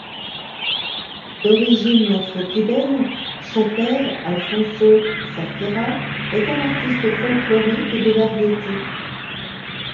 D'origine afro-cubaine, son père Alfonso Zerquera est un artiste folklorique et de variété.